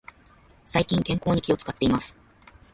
最近、健康に気を使っています。